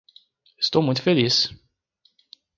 Estou muito feliz